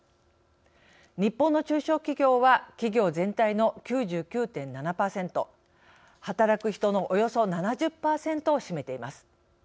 日本の中小企業は企業全体の９９．７％働く人のおよそ７０％を占めています。